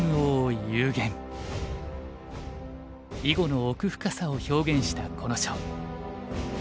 囲碁の奥深さを表現したこの書。